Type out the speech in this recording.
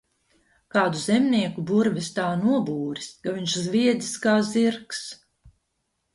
Kādu zemnieku burvis tā nobūris, ka viņš zviedzis kā zirgs.